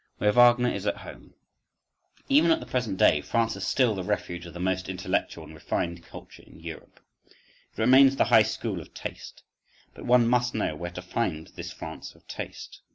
Where Wagner Is At Home. Even at the present day, France is still the refuge of the most intellectual and refined culture in Europe, it remains the high school of taste: but one must know where to find this France of taste.